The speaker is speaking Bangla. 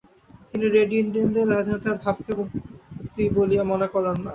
তিনি রেড ইণ্ডিয়ানদের স্বাধীনতার ভাবকে মুক্তি বলিয়া মনে করেন না।